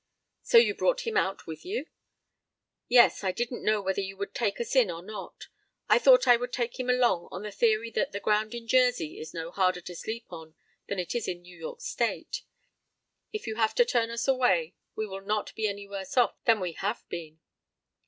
"So you brought him out with you?" "Yes; I didn't know whether you would take us in or not. I thought I would take him along on the theory that the ground in Jersey is no harder to sleep on than it is in New York State. If you have to turn us away we will not be any worse off than we have been."